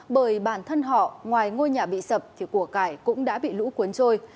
bởi bản thân họ ngoài ngôi nhà bị sập thì của cải cũng đã bị lũ cuốn trôi